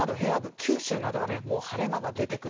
九州などは、晴れ間が出てくる。